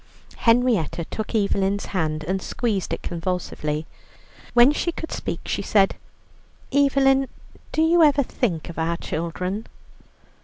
Henrietta took Evelyn's hand and squeezed it convulsively. When she could speak, she said: "Evelyn, do you ever think of our children?"